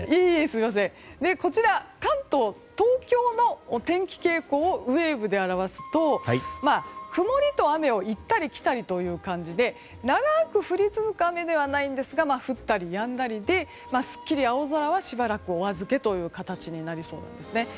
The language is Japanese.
こちら、関東、東京のお天気傾向をウェーブで表すと曇りと雨を行ったり来たりという感じで長く降り続く雨ではないんですが降ったりやんだりですっきり青空はしばらくお預けという形になりそうなんですね。